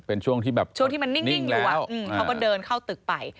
เป็นช่วงที่มันนิ่งอยู่อะเขาก็เดินเข้าตึกไป